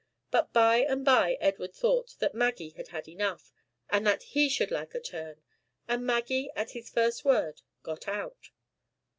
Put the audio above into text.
But by and by Edward thought, that Maggie had had enough, and that he should like a turn; and Maggie, at his first word, got out.